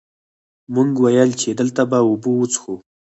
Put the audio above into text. مونږ ويل چې دلته به اوبۀ وڅښو ـ